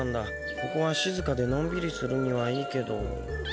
ここはしずかでのんびりするにはいいけどこまったなあ。